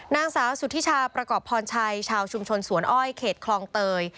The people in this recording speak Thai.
นางสาวสุธิชาประกอบพรชัยชาวชุมชนสวนอ้อยเขตคลองเตย